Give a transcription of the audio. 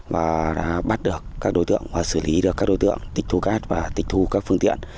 và đã bắt được các đối tượng và xử lý được các đối tượng tịch thu cát và tịch thu các phương tiện